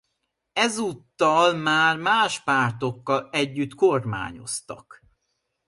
Ezúttal már más pártokkal együtt kormányoztak.